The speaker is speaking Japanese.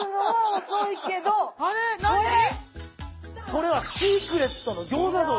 これはシークレットの餃子像です。